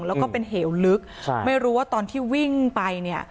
แห่วลึกไม่รู้ว่าตอนที่วิ่งไป